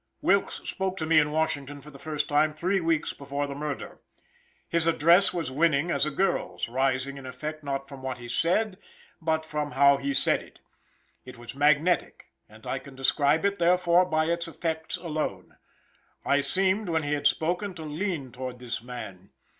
Wilkes spoke to me in Washington for the first time three weeks before the murder. His address was winning as a girl's, rising in effect not from what he said, but from how he said it. It was magnetic, and I can describe it therefore by its effects alone. I seemed, when he had spoken, to lean toward this man.